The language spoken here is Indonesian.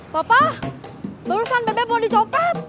papa barusan bebe mau dicopet